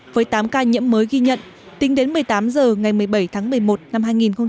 với tám ca nhiễm mới ghi nhận tính đến một mươi tám h ngày một mươi bảy tháng một mươi một năm hai nghìn hai mươi